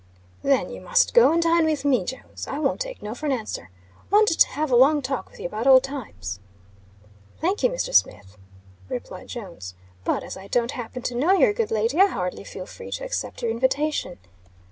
"Then you must go and dine with me, Jones. I won't take no for an answer. Want to have a long talk with you about old times." "Thank you, Mr. Smith," replied Jones. "But, as I don't happen to know your good lady, I hardly feel free to accept your invitation."